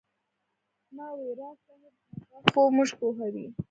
ما وې راز صاحب هغه خو موږ پوهوي.